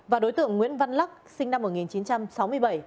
và đối tượng nguyễn văn lắc sinh năm một nghìn chín trăm sáu mươi bảy